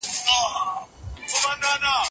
لمر د هډوکو پیاوړتیا کې مرسته کوي.